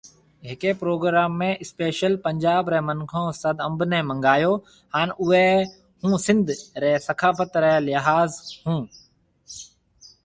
ھيَََڪي پروگرام ۾ اسپيشل پنجاب ري منکون استاد انب ني منگايو ھان اوئي ھونسنڌ ري ثقافت ري لحاظ ۿون